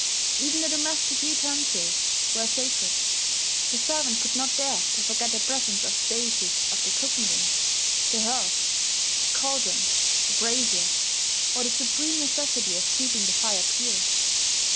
Even the domestic utensils were sacred: the servant could not dare to forget the presence of the deities of the cooking range, the hearth, the cauldron, the brazier, or the supreme necessity of keeping the fire pure.